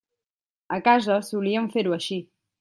A casa solíem fer-ho així.